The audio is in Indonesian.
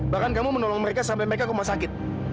bahkan kamu menolong mereka sampai mereka koma sakit